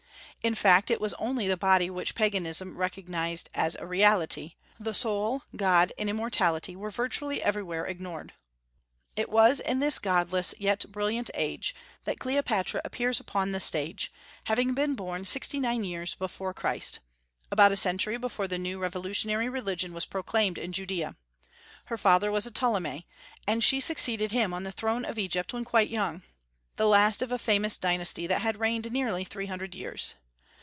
In fact, it was only the body which Paganism recognized as a reality; the soul, God, and immortality were virtually everywhere ignored. It was in this godless, yet brilliant, age that Cleopatra appears upon the stage, having been born sixty nine years before Christ, about a century before the new revolutionary religion was proclaimed in Judea. Her father was a Ptolemy, and she succeeded him on the throne of Egypt when quite young, the last of a famous dynasty that had reigned nearly three hundred years.